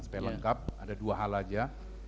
supaya lengkap ada dua hal aja